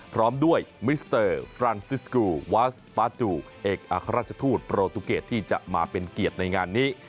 พร้อมด้วยมิสเตอร์ฟรานซิสกรูวาสฟาจูเอกอัครราชทูตโปรตูเกตที่จะมาเป็นเกียรติในงานนี้